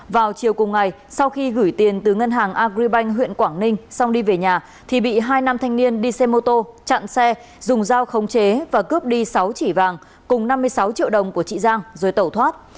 vào chiều cùng ngày sau khi gửi tiền từ ngân hàng agribank huyện quảng ninh xong đi về nhà thì bị hai nam thanh niên đi xe mô tô chặn xe dùng dao khống chế và cướp đi sáu chỉ vàng cùng năm mươi sáu triệu đồng của chị giang rồi tẩu thoát